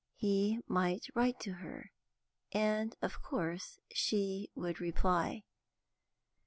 He might write to her, and of course she would reply.